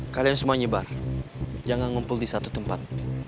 kalian semua nyebar jangan ngumpul di satu tempat